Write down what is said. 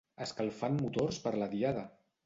Escalfant motors per la Diada!